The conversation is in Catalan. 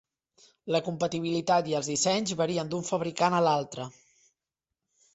La compatibilitat i els dissenys varien d'un fabricant a un altre.